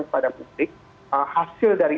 kepada publik hasil dari